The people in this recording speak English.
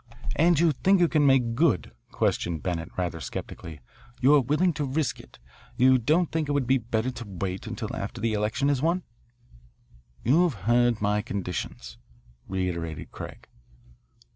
"And you think you can make good?" questioned Bennett rather sceptically. "You are willing to risk it? You don't think it would be better to wait until after the election is won?" "You have heard my conditions," reiterated Craig.